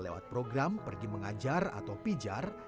lewat program pergi mengajar atau pijar